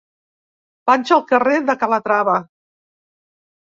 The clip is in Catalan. Vaig al carrer de Calatrava.